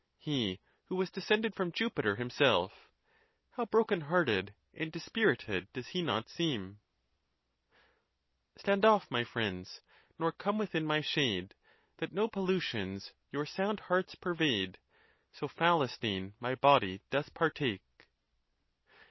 —he who was descended from Ju piter himself, how broken hearted and dispirited does he not seem ! Stand off, my friends, nor come within my shade, That no pollutions your sound hearts pervade, So foul a stain my body doth partake.